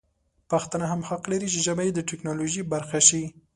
پښتانه هم حق لري چې ژبه یې د ټکنالوژي برخه شي.